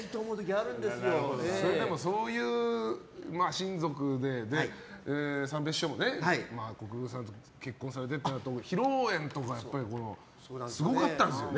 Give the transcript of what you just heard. それでもそういう親族で三平師匠も国分さんと結婚されて披露宴とかすごかったんですよね。